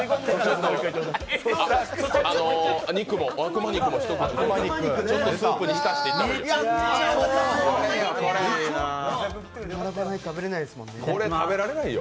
悪魔肉も一口、ちょっとスープに浸していったらいいよ。